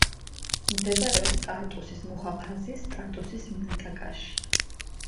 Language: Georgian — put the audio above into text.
მდებარეობს ტარტუსის მუჰაფაზის ტარტუსის მინტაკაში.